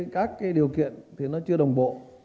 các cái điều kiện thì nó chưa đồng bộ